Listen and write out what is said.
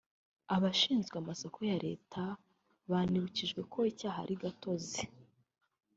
Abashinzwe amasoko ya Leta banibukijwe ko icyaha ari gatozi